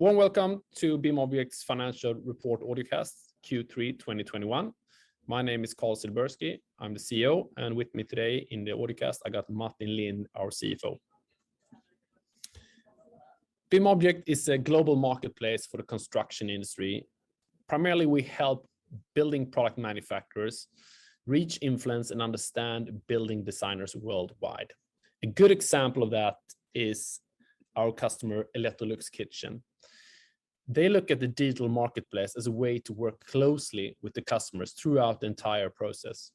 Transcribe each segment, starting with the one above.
Warm welcome to BIMobject's financial report audio cast, Q3 2021. My name is Carl Silbersky, I'm the CEO, and with me today in the audio cast, I got Martin Lindh, our CFO. BIMobject is a global marketplace for the construction industry. Primarily, we help building product manufacturers reach, influence, and understand building designers worldwide. A good example of that is our customer, Electrolux Kitchen. They look at the digital marketplace as a way to work closely with the customers throughout the entire process.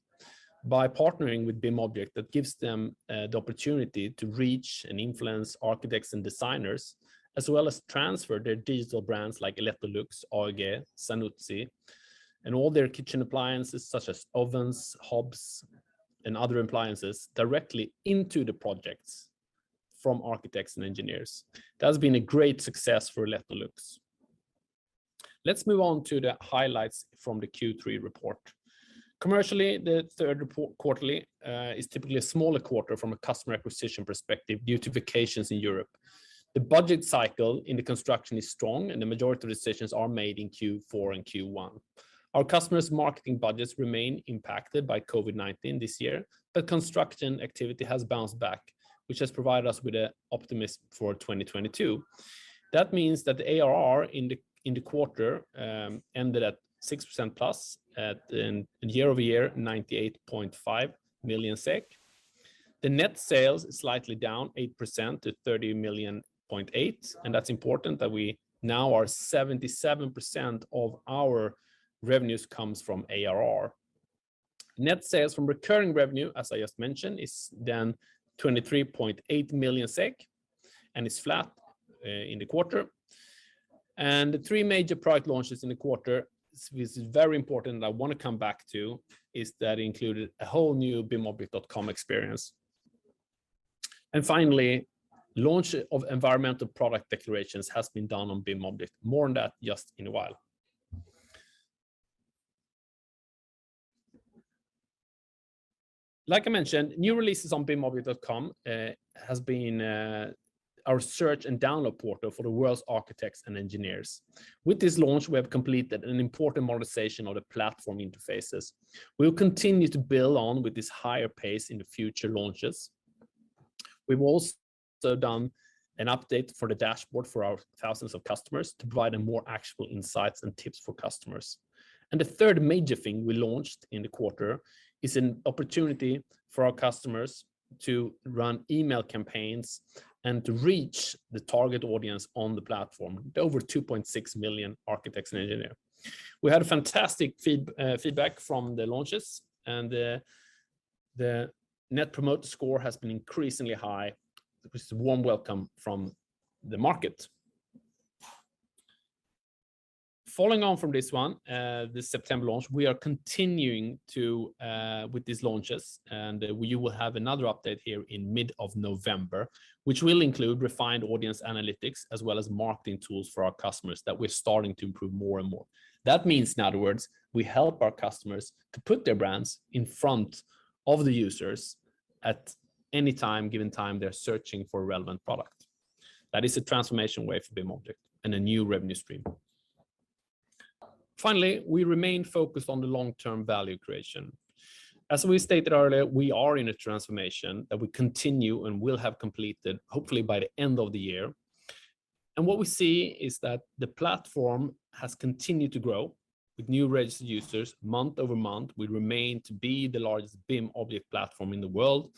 By partnering with BIMobject, that gives them the opportunity to reach and influence architects and designers, as well as transfer their digital brands like Electrolux, AEG, Zanussi, and all their kitchen appliances such as ovens, hobs, and other appliances directly into the projects from architects and engineers. That has been a great success for Electrolux. Let's move on to the highlights from the Q3 report. Commercially, the Q3 is typically a smaller quarter from a customer acquisition perspective due to vacations in Europe. The budget cycle in the construction is strong, and the majority of decisions are made in Q4 and Q1. Our customers' marketing budgets remain impacted by COVID-19 this year, but construction activity has bounced back, which has provided us with an optimism for 2022. That means that the ARR in the quarter ended at 6%+ year-over-year, 98.5 million SEK. The net sales is slightly down 8% to 30.8 million, and that's important that now 77% of our revenues comes from ARR. Net sales from recurring revenue, as I just mentioned, is then 23.8 million SEK and is flat in the quarter. The three major product launches in the quarter, this is very important, I wanna come back to, is that included a whole new bimobject.com experience. Finally, launch of Environmental Product Declarations has been done on BIMobject. More on that just in a while. Like I mentioned, new releases on bimobject.com has been our search and download portal for the world's architects and engineers. With this launch, we have completed an important modernization of the platform interfaces. We'll continue to build on with this higher pace in the future launches. We've also done an update for the dashboard for our thousands of customers to provide them more actionable insights and tips for customers. The third major thing we launched in the quarter is an opportunity for our customers to run email campaigns and to reach the target audience on the platform, over 2.6 million architects and engineers. We had a fantastic feedback from the launches, and the Net Promoter Score has been increasingly high, which is a warm welcome from the market. Following on from this one, the September launch, we are continuing with these launches, and we will have another update here in mid-November, which will include refined audience analytics as well as marketing tools for our customers that we're starting to improve more and more. That means, in other words, we help our customers to put their brands in front of the users at any given time they're searching for relevant product. That is a transformation way for BIMobject and a new revenue stream. Finally, we remain focused on the long-term value creation. As we stated earlier, we are in a transformation that we continue and will have completed, hopefully by the end of the year. What we see is that the platform has continued to grow with new registered users month-over-month. We remain to be the largest BIMobject platform in the world,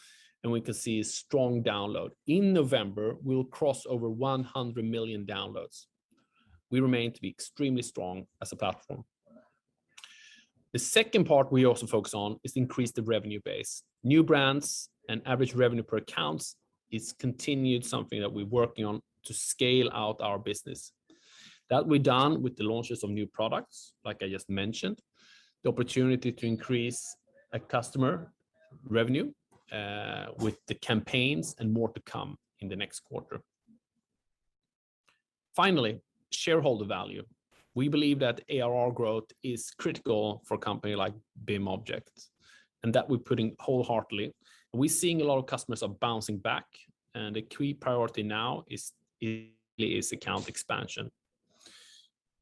and we can see a strong download. In November, we will cross over 100 million downloads. We remain to be extremely strong as a platform. The second part we also focus on is increase the revenue base. New brands and average revenue per accounts is continued something that we're working on to scale out our business. That we've done with the launches of new products, like I just mentioned, the opportunity to increase a customer revenue with the campaigns and more to come in the next quarter. Finally, shareholder value. We believe that ARR growth is critical for a company like BIMobject, and that we're putting wholeheartedly. We're seeing a lot of customers are bouncing back, and a key priority now is account expansion.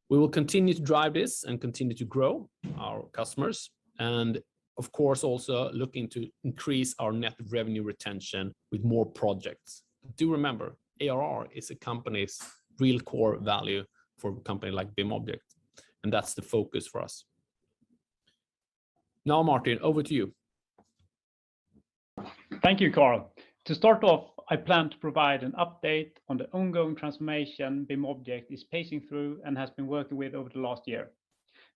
We will continue to drive this and continue to grow our customers, and of course, also looking to increase our net revenue retention with more projects. Do remember, ARR is a company's real core value for a company like BIMobject, and that's the focus for us. Now, Martin, over to you. Thank you, Carl. To start off, I plan to provide an update on the ongoing transformation BIMobject is passing through and has been working with over the last year.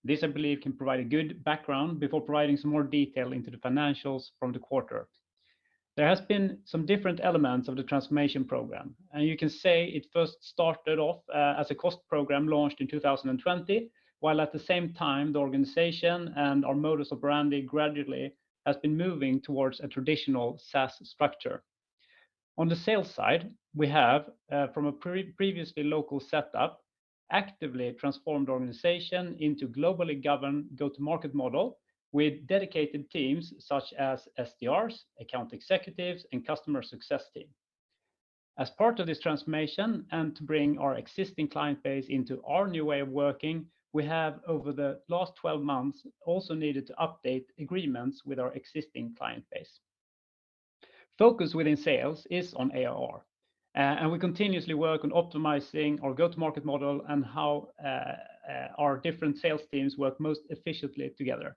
This, I believe, can provide a good background before providing some more detail into the financials from the quarter. There has been some different elements of the transformation program, and you can say it first started off as a cost program launched in 2020, while at the same time, the organization and our mode of operating gradually has been moving towards a traditional SaaS structure. On the sales side, we have from a previously local setup actively transformed organization into globally governed go-to-market model with dedicated teams such as SDRs, account executives, and customer success team. As part of this transformation and to bring our existing client base into our new way of working, we have, over the last 12 months, also needed to update agreements with our existing client base. Focus within sales is on ARR, and we continuously work on optimizing our go-to-market model and how our different sales teams work most efficiently together.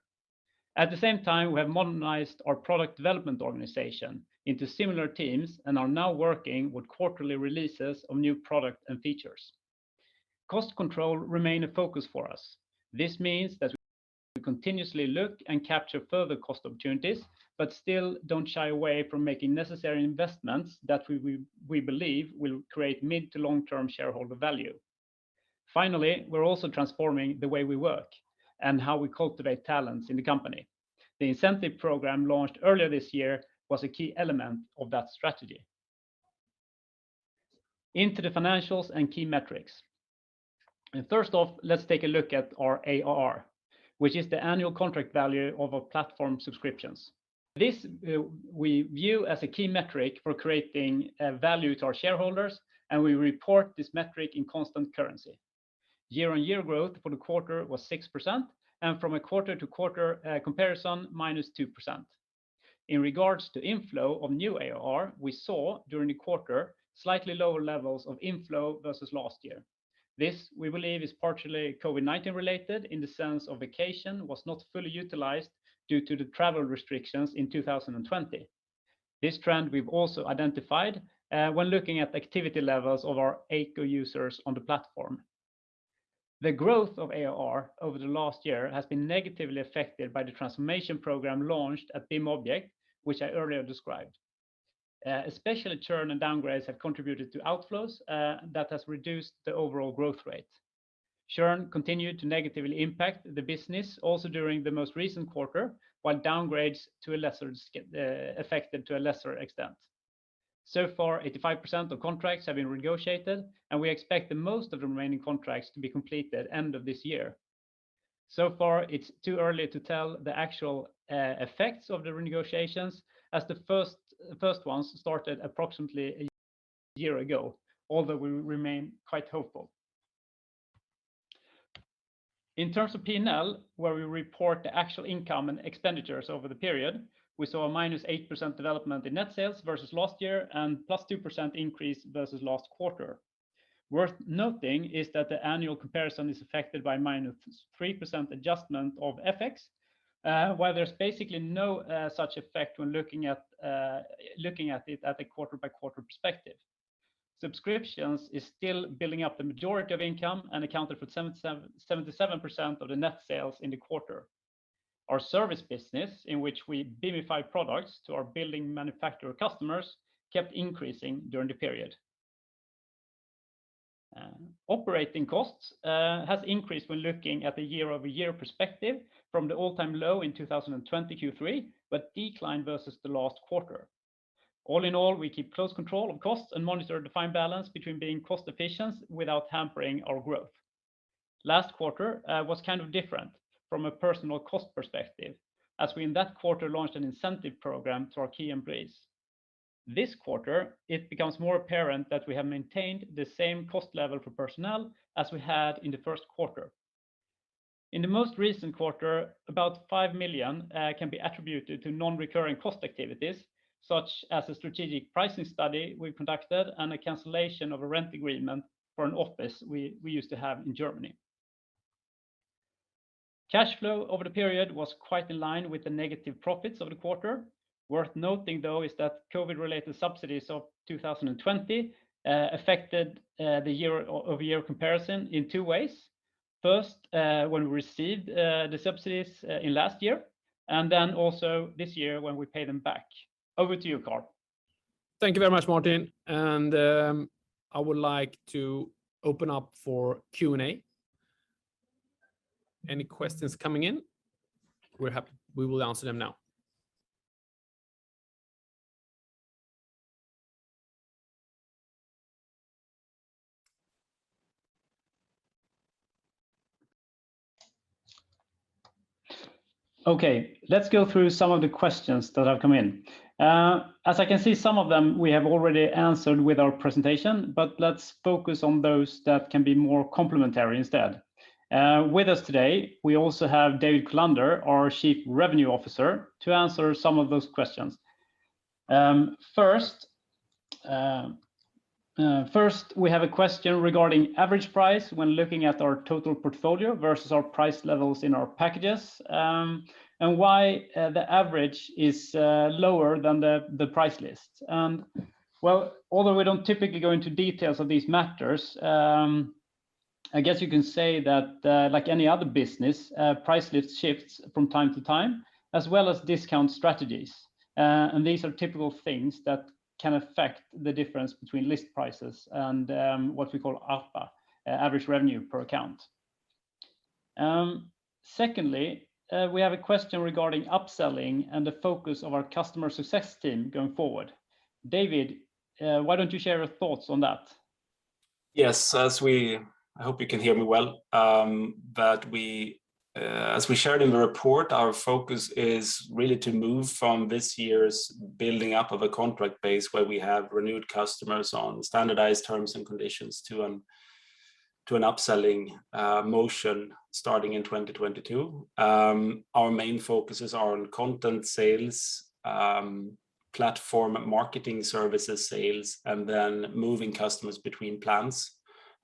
At the same time, we have modernized our product development organization into similar teams and are now working with quarterly releases of new product and features. Cost control remain a focus for us. This means that we continuously look and capture further cost opportunities, but still don't shy away from making necessary investments that we believe will create mid to long-term shareholder value. Finally, we're also transforming the way we work and how we cultivate talents in the company. The incentive program launched earlier this year was a key element of that strategy. Into the financials and key metrics. First off, let's take a look at our ARR, which is the annual contract value of our platform subscriptions. This, we view as a key metric for creating value to our shareholders, and we report this metric in constant currency. Year-on-year growth for the quarter was 6%, and from a quarter-to-quarter comparison, -2%. In regards to inflow of new ARR, we saw during the quarter slightly lower levels of inflow versus last year. This, we believe, is partially COVID-19 related in the sense of vacation was not fully utilized due to the travel restrictions in 2020. This trend we've also identified when looking at activity levels of our AECO users on the platform. The growth of ARR over the last year has been negatively affected by the transformation program launched at BIMobject, which I earlier described. Especially churn and downgrades have contributed to outflows that has reduced the overall growth rate. Churn continued to negatively impact the business also during the most recent quarter, while downgrades affected to a lesser extent. So far, 85% of contracts have been renegotiated, and we expect the most of the remaining contracts to be completed end of this year. So far, it's too early to tell the actual effects of the renegotiations, as the first ones started approximately a year ago, although we remain quite hopeful. In terms of P&L, where we report the actual income and expenditures over the period, we saw a -8% development in net sales versus last year and +2% increase versus last quarter. Worth noting is that the annual comparison is affected by -3% adjustment of FX, while there's basically no such effect when looking at it at the quarter-over-quarter perspective. Subscriptions is still building up the majority of income and accounted for 77% of the net sales in the quarter. Our service business, in which we BIMify products to our building manufacturer customers, kept increasing during the period. Operating costs has increased when looking at the year-over-year perspective from the all-time low in 2020 Q3, but declined versus the last quarter. All in all, we keep close control of costs and monitor the fine balance between being cost efficient without hampering our growth. Last quarter was kind of different from a personnel cost perspective, as we in that quarter launched an incentive program to our key employees. This quarter, it becomes more apparent that we have maintained the same cost level for personnel as we had in the Q1. In the most recent quarter, about 5 million can be attributed to non-recurring cost activities, such as a strategic pricing study we conducted and a cancellation of a rent agreement for an office we used to have in Germany. Cash flow over the period was quite in line with the negative profits of the quarter. Worth noting though is that COVID-related subsidies of 2020 affected the year-over-year comparison in two ways. First, when we received the subsidies in last year, and then also this year when we pay them back. Over to you, Carl. Thank you very much, Martin. I would like to open up for Q&A. Any questions coming in, we will answer them now. Okay, let's go through some of the questions that have come in. As I can see, some of them we have already answered with our presentation, but let's focus on those that can be more complementary instead. With us today, we also have David Kullander, our Chief Revenue Officer, to answer some of those questions. First, we have a question regarding average price when looking at our total portfolio versus our price levels in our packages, and why the average is lower than the price list. Well, although we don't typically go into details of these matters, I guess you can say that, like any other business, price list shifts from time to time, as well as discount strategies. These are typical things that can affect the difference between list prices and what we call ARPA, Average Revenue Per Account. Secondly, we have a question regarding upselling and the focus of our customer success team going forward. David, why don't you share your thoughts on that? Yes. I hope you can hear me well. We, as we shared in the report, our focus is really to move from this year's building up of a contract base where we have renewed customers on standardized terms and conditions to an upselling motion starting in 2022. Our main focuses are on content sales, platform marketing services sales, and then moving customers between plans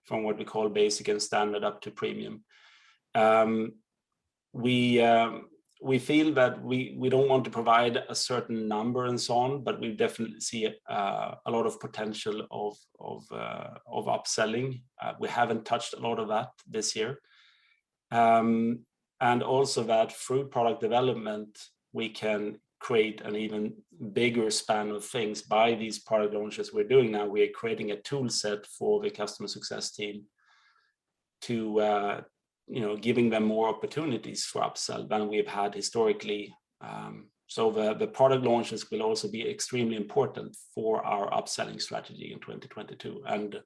from what we call basic and standard up to premium. We feel that we don't want to provide a certain number and so on, but we definitely see a lot of potential of upselling. We haven't touched a lot of that this year. Also that through product development, we can create an even bigger span of things. By these product launches we're doing now, we are creating a tool set for the customer success team to, you know, giving them more opportunities for upsell than we've had historically. The product launches will also be extremely important for our upselling strategy in 2022.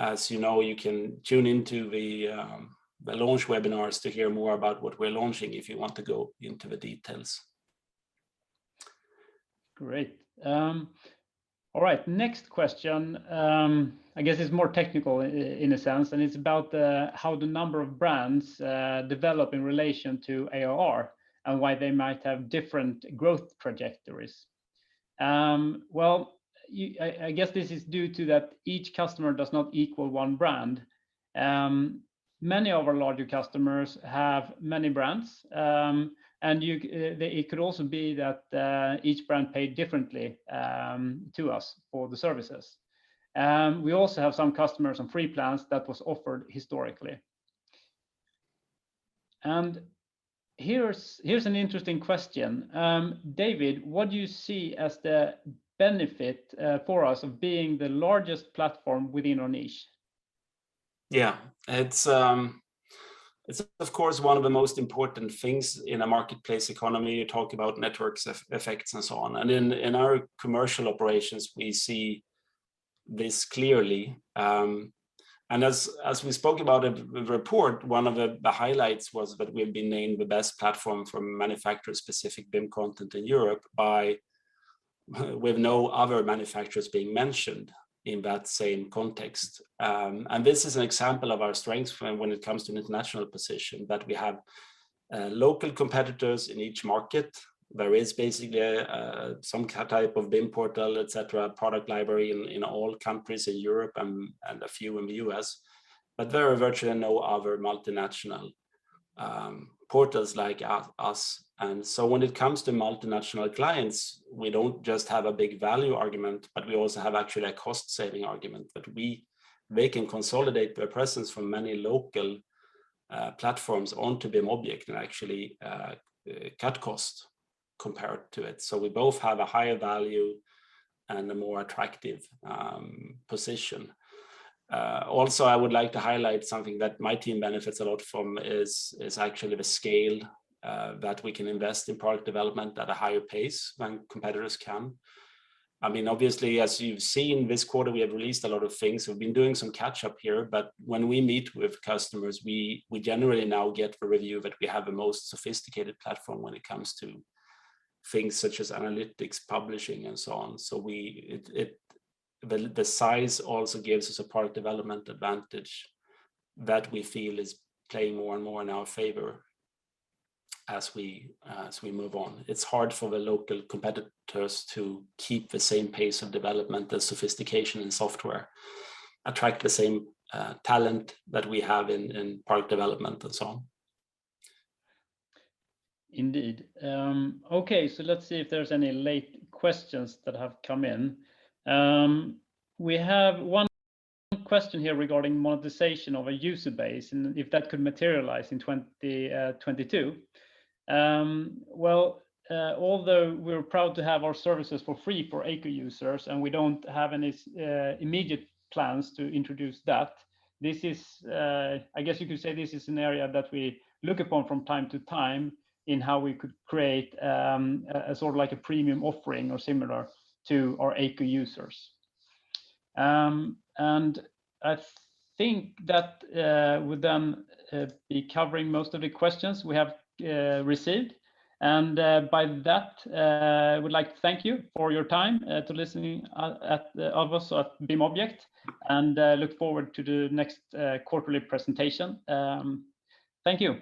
As you know, you can tune into the launch webinars to hear more about what we're launching if you want to go into the details. Great. All right. Next question, I guess it's more technical in a sense, and it's about how the number of brands develop in relation to ARR and why they might have different growth trajectories. Well, I guess this is due to that each customer does not equal one brand. Many of our larger customers have many brands, and it could also be that each brand paid differently to us for the services. We also have some customers on free plans that was offered historically. Here's an interesting question. David, what do you see as the benefit for us of being the largest platform within our niche? Yeah. It's of course one of the most important things in a marketplace economy. You talk about network effects and so on. In our commercial operations, we see this clearly. As we spoke about in the report, one of the highlights was that we've been named the best platform for manufacturer-specific BIM content in Europe by with no other manufacturers being mentioned in that same context. This is an example of our strength when it comes to an international position, that we have local competitors in each market. There is basically some type of BIM portal, et cetera, product library in all countries in Europe and a few in the U.S., but there are virtually no other multinational portals like us. When it comes to multinational clients, we don't just have a big value argument, but we also have actually a cost saving argument. They can consolidate their presence from many local platforms onto BIMobject and actually cut costs compared to it. We both have a higher value and a more attractive position. I would like to highlight something that my team benefits a lot from, is actually the scale that we can invest in product development at a higher pace than competitors can. I mean, obviously, as you've seen this quarter, we have released a lot of things. We've been doing some catch-up here, but when we meet with customers, we generally now get the review that we have the most sophisticated platform when it comes to things such as analytics, publishing, and so on. The size also gives us a product development advantage that we feel is playing more and more in our favor as we move on. It's hard for the local competitors to keep the same pace of development, the sophistication in software, attract the same talent that we have in product development and so on. Indeed. Okay, so let's see if there's any late questions that have come in. We have one question here regarding monetization of a user base and if that could materialize in 2022. Well, although we're proud to have our services for free for AECO users, and we don't have any immediate plans to introduce that, this is, I guess you could say this is an area that we look upon from time to time in how we could create a sort of like a premium offering or similar to our AECO users. I think that would then be covering most of the questions we have received. With that, I would like to thank you for your time listening to us at BIMobject, and look forward to the next quarterly presentation. Thank you.